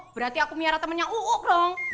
berarti aku miyara temennya uuk dong